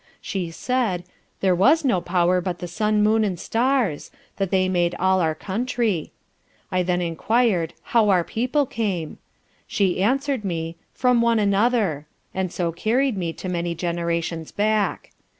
She said, there was no power but the sun, moon and stars; that they made all our country. I then enquired how all our people came? She answered me, from one another; and so carried me to many generations back.